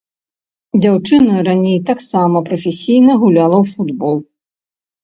Дзяўчына раней таксама прафесійна гуляла ў футбол.